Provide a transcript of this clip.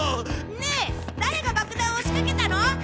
ねぇ誰が爆弾を仕掛けたの？